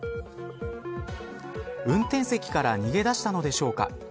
運転席から逃げ出したのでしょうか。